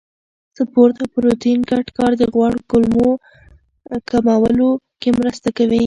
سپورت او پروتین ګډ کار د غوړو کمولو کې مرسته کوي.